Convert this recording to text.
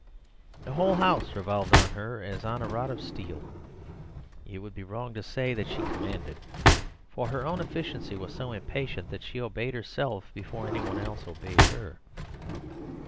The whole house revolved on her as on a rod of steel. It would be wrong to say that she commanded; for her own efficiency was so impatient that she obeyed herself before any one else obeyed her.